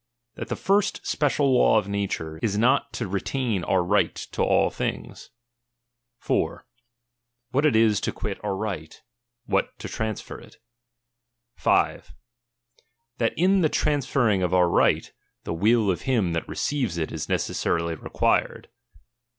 That the first special law of nature, is not to retain our right to all things, i. What it is to quit our right : what to tranefer it. 5. That in the transferring of our right, the will of him that receives it is necessarily required.